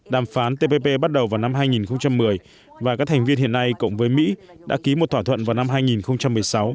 đàm phán tpp bắt đầu vào năm hai nghìn một mươi và các thành viên hiện nay cộng với mỹ đã ký một thỏa thuận vào năm hai nghìn một mươi sáu